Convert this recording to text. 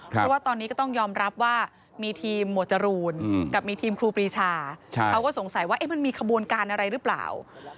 เพราะว่าตอนนี้ก็ต้องยอมรับว่ามีทีมหมวดจรูนกับมีทีมครูปรีชา